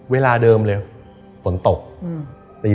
เวลาเดิมเลยฝนตกตี